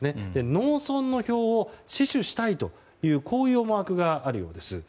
農村の票を死守したいという思惑があるようです。